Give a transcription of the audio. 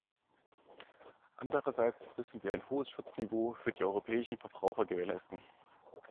Andererseits müssen wir ein hohes Schutzniveau für die europäischen Verbraucher gewährleisten.